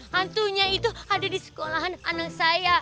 hantunya itu ada di sekolahan anak saya